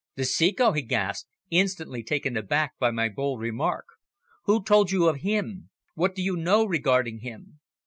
"The Ceco!" he gasped, instantly taken aback by my bold remark. "Who told you of him? What do you know regarding him?"